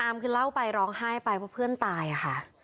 คือเล่าไปร้องไห้ไปเพราะเพื่อนตายอะค่ะ